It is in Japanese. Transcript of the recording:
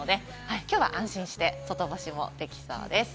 きょうは安心して外干しもできそうです。